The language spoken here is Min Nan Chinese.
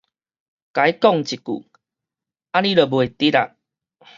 共伊講一句，按呢就袂直矣